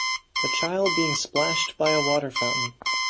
A child being splashed by a water fountain.